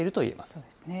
そうですね。